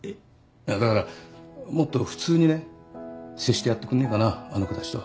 いやだからもっと普通にね接してやってくんねえかなあの子たちと。